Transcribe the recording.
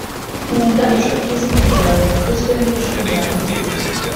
nkunda ijwi ryizina ryawe rivuzwe mu ijwi riranguruye